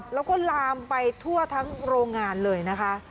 แล้วก็ลามไปทั่วทั้งโรงงานเลยนะคะ